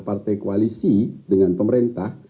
partai koalisi dengan pemerintah